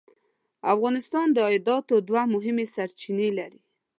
افغانستان د عایداتو دوه مهمې سرچینې لري.